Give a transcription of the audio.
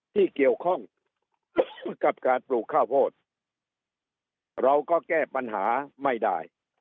ที่เกี่ยวข้องกับการปลูกข้าวโพดเราก็แก้ปัญหาไม่ได้